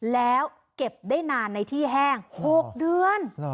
แล้วเก็บได้นานในที่แห้ง๖เดือน